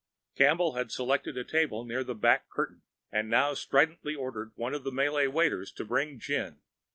Campbell had selected a table near the back curtain, and now stridently ordered one of the Malay waiters to bring gin.